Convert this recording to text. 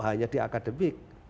hanya di akademik